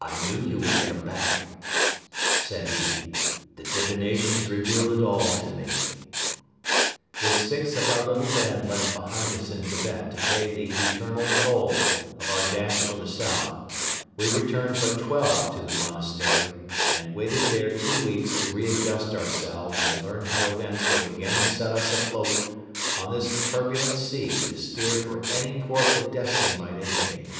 "I knew you would come back," said he. "The divinations revealed it all to me." With six of our little band left behind us in Tibet to pay the eternal toll of our dash for the south we returned but twelve to the Monastery and waited there two weeks to re adjust ourselves and learn how events would again set us afloat on this turbulent sea to steer for any port that Destiny might indicate.